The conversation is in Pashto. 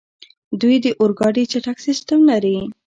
دوی د اورګاډي چټک سیسټم لري.